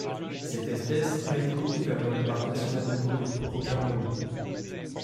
Cette espèce a été découverte dans le parc national de Korup au Cameroun.